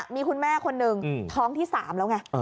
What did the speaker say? มีคุณแม่คนหนึ่งท้องที่๓แล้วไง